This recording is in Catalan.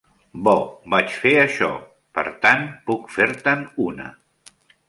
Bo, vaig fer això, per tant puc fer-te'n una.